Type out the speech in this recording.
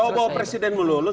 bawa bawa presiden melulus